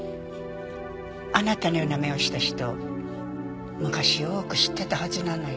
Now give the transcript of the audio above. あなたのような目をした人昔よく知ってたはずなのよ。